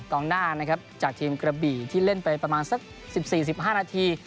กองหน้านะครับจากทีมกระบี่ที่เล่นไปประมาณสัก๑๔๑๕นาที